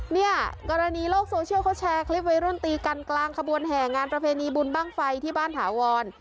เนี่ยกรณีโลกโซเชียลเขาแชร์คลิปวัยรุ่นตีกันกลางขบวนแห่งานประเพณีบุญบ้างไฟที่บ้านถาวร